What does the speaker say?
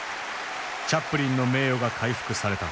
チャップリンの名誉が回復された。